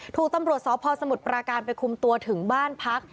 ถูกตำรวจสพสมุทรปราการไปคุมตัวถึงบ้านพัก